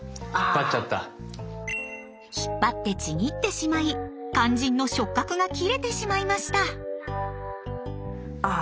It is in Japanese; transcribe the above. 引っ張ってちぎってしまい肝心の触角が切れてしまいました。